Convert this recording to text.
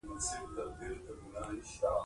ویل یي ته راسره په ریښتیا مینه لرې